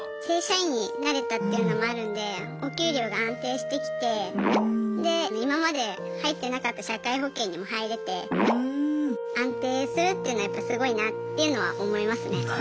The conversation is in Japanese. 正社員になれたっていうのもあるんでお給料が安定してきてで今まで入ってなかった社会保険にも入れて安定するっていうのはやっぱすごいなっていうのは思いますね。